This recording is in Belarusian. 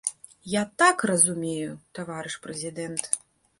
Я так разумею, таварыш прэзідэнт.